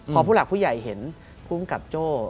พอผู้หลักผู้ใหญ่เห็นภูมิกับโจ้